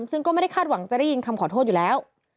ซึ่งก็ไม่ได้คาดหวังจะได้ยินคำขอโทษอยู่แล้ว